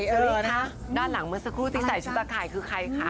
สวัสดีค่ะด้านหลังเหมือนสักครู่ที่ใส่ชุดตาข่ายคือใครค่ะ